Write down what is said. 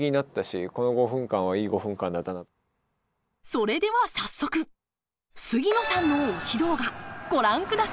それでは早速杉野さんの推し動画ご覧ください！